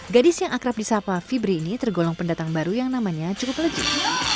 gadis yang akrab di sapa fibri ini tergolong pendatang baru yang namanya cukup leji